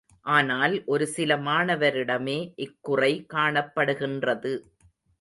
ஆனால் ஒரு சில மாணவரிடமே இக்குறை காணப்படுகின்றது.